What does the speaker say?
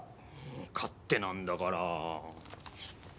勝手なんだから。